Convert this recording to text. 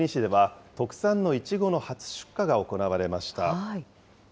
静岡県伊豆の国市では、特産のいちごの初出荷が行われました。